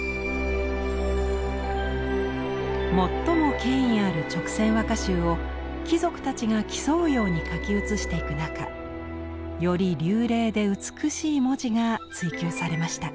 最も権威ある「勅撰和歌集」を貴族たちが競うように書き写していく中より流麗で美しい文字が追求されました。